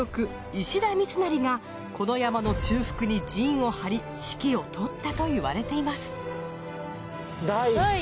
石田三成がこの山の中腹に陣を張り指揮を執ったと言われています